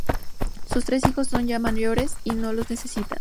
Sus tres hijos son ya mayores y no los necesitan.